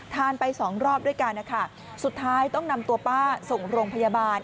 ไปสองรอบด้วยกันนะคะสุดท้ายต้องนำตัวป้าส่งโรงพยาบาล